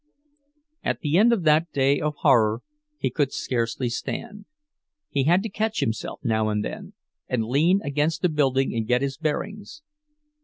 At the end of that day of horror, he could scarcely stand. He had to catch himself now and then, and lean against a building and get his bearings.